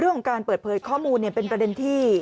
เรื่องของการเปิดเผยข้อมูลเป็นประเด็นที่